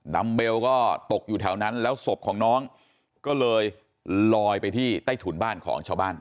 ัมเบลก็ตกอยู่แถวนั้นแล้วศพของน้องก็เลยลอยไปที่ใต้ถุนบ้านของชาวบ้าน